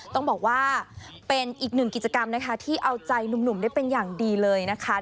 ต้องบอกว่าเป็นอีกหนึ่งกิจกรรมนะคะที่เอาใจหนุ่มได้เป็นอย่างดีเลยนะคะ